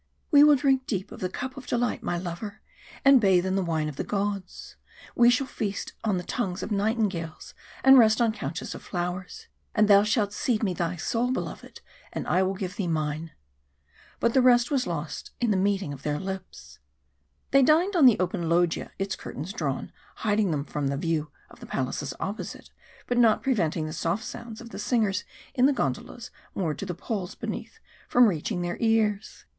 "We will drink deep of the cup of delight, my lover, and bathe in the wine of the gods. We shall feast on the tongues of nightingales, and rest on couches of flowers. And thou shalt cede me thy soul, beloved, and I will give thee mine " But the rest was lost in the meeting of their lips. They dined on the open loggia, its curtains drawn, hiding them from the view of the palaces opposite, but not preventing the soft sounds of the singers in the gondolas moored to the poles beneath from reaching their ears.